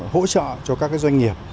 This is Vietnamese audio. hỗ trợ cho các doanh nghiệp